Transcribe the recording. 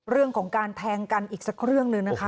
เรื่องของการแทงกันอีกสักเรื่องหนึ่งนะคะ